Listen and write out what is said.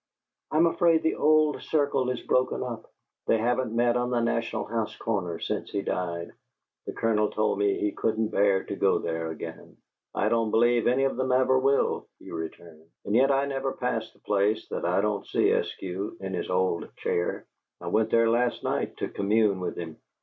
"I'm afraid the old circle is broken up; they haven't met on the National House corner since he died. The Colonel told me he couldn't bear to go there again." "I don't believe any of them ever will," he returned. "And yet I never pass the place that I don't see Eskew in his old chair. I went there last night to commune with him.